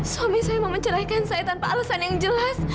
suami saya mau menceraikan saya tanpa alasan yang jelas